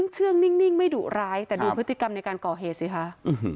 เชื่องนิ่งไม่ดุร้ายแต่ดูพฤติกรรมในการก่อเหตุสิคะ